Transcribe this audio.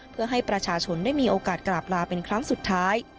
เพื่อให้ประชาชนได้มีโอกาสกราบลาเป็นครั้งสุดท้าย